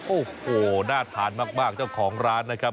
โอ้โหน่าทานมากเจ้าของร้านนะครับ